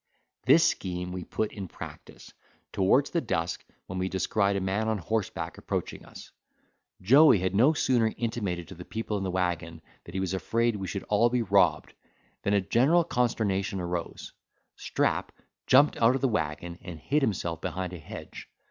This scheme we put in practice, towards the dusk, when we descried a man on horseback approaching us. Joey had no sooner intimated to the people in the waggon, that he was afraid we should be all robbed than a general consternation arose: Strap jumped out of the waggon, and hid himself behind a hedge.